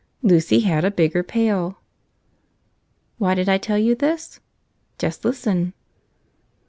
Lucy had a bigger pail ! Why did I tell you this? Just listen!